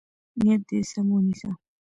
نیت دې سم ونیسه.